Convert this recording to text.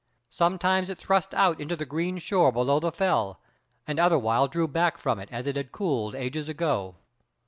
Sometimes it thrust out into the green shore below the fell, and otherwhile drew back from it as it had cooled ages ago.